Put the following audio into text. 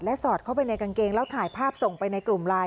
สอดเข้าไปในกางเกงแล้วถ่ายภาพส่งไปในกลุ่มไลน์